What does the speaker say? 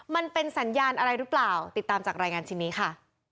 มันเป็นสัญญาณอะไรหรือเปล่าติดตามจากรายงานชิ้นนี้ค่ะ